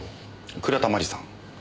倉田真理さん。